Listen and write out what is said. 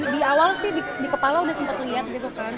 di awal sih di kepala udah sempat lihat gitu kan